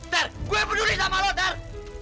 ter gua yang peduli sama lu ter